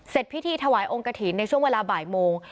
พิธีถวายองค์กระถิ่นในช่วงเวลาบ่ายโมง